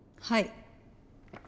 はい。